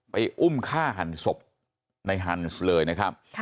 อุ้มฆ่าหันศพในฮันส์เลยนะครับ